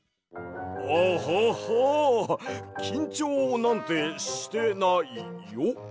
アハハきんちょうなんてしてないよ。